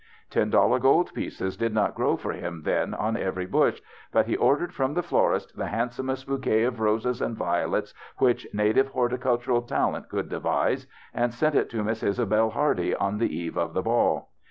Ten dollar gold pieces did not grow for liim then on every bush, but he ordered from the florist the handsomest bou quet of roses and violets which native horti cultural talent could devise, and sent it to Miss Isabelle Hardy on the eve of the ball.